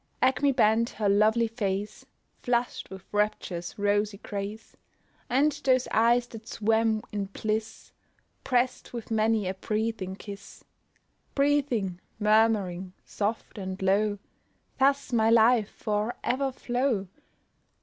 Acmè bent her lovely face, Flush'd with rapture's rosy grace, And those eyes that swam in bliss, Prest with many a breathing kiss; Breathing, murmuring, soft, and low, Thus might life for ever flow!